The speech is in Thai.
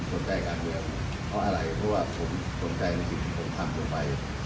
ผมสนใจการเลือกเพราะอะไรเพราะว่าผมสนใจวิธีที่ผมทำตัวไป